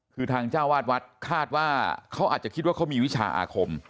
คือทางเจ้าวาดวัดคาดว่าเขาอาจจะคิดว่าเขามีวิชาอาคม